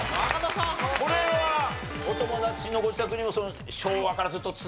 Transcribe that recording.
これはお友達のご自宅にも昭和からずっと。